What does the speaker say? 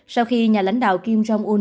sau khi nhà lãnh đạo kim jong un